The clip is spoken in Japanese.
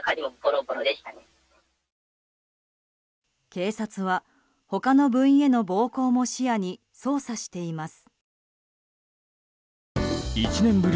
警察は他の部員への暴行も視野に捜査しています。